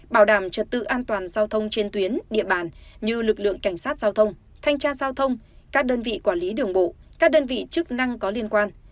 bảo đảm trật tự an toàn giao thông trên tuyến địa bàn như lực lượng cảnh sát giao thông thanh tra giao thông các đơn vị quản lý đường bộ các đơn vị chức năng có liên quan